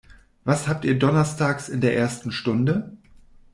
Was habt ihr donnerstags in der ersten Stunde?